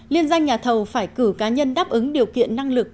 liên danh nhà thầu phải cử cá nhân đáp ứng điều kiện năng lực